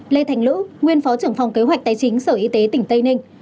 lê thành lữ nguyên phó trưởng phòng kế hoạch tài chính sở y tế tỉnh tây ninh